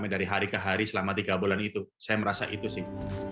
dari hari ke hari selama tiga bulan itu saya merasa itu sih